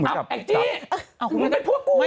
กัญชัยมอบให้คุณจะเอายังอื่นนะครับ